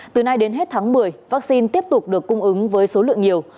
từ nay đến hết tháng một mươi vaccine tiếp tục được cung ứng với số lượng nhiều